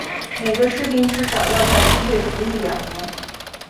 每个士兵至少要在军队服役两年。